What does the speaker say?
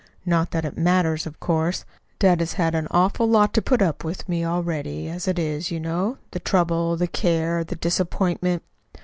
Not that it matters, of course. Dad has had an awful lot to put up with me already, as it is, you know the trouble, the care, and the disappointment.